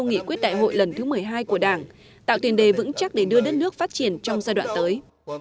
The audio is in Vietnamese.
nghị quyết đại hội lần thứ một mươi hai của đảng tạo tiền đề vững chắc để đưa đất nước phát triển trong giai đoạn tới